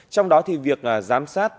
trong đó thì việc giám sát